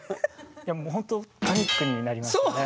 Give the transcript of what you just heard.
いやほんとパニックになりましたね。